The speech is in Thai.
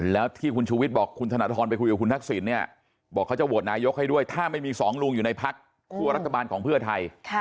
แล้วที่คุณชูวิทย์บอกคุณธนทรไปคุยกับคุณทักษิณเนี่ยบอกเขาจะโหวตนายกให้ด้วยถ้าไม่มีสองลุงอยู่ในพักคั่วรัฐบาลของเพื่อไทย